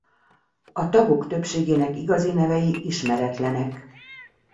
A tagok többségének igazi nevei ismeretlenek.